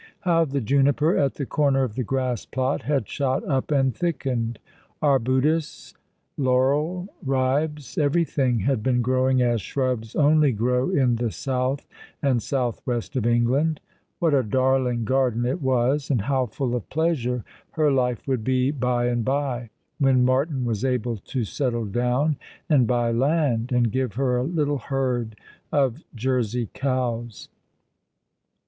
How the juniper at the corner of the grass plot had shot up and thickened! Arbutus, laurel, ribes, everything had been growing as shrubs only grow in the south and south west of England. What a darling garden it was, and how full of pleasure her life v\'ould be by and by, when Martin was able to settle down and buy land, and give her a little herd of Jersey cows